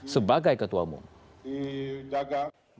sebagai ketua umum